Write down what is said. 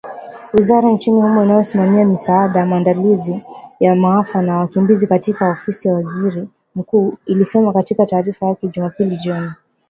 Wizara nchini humo inayosimamia misaada, maandalizi ya maafa na wakimbizi katika Ofisi ya Waziri Mkuu ilisema katika taarifa yake Jumapili jioni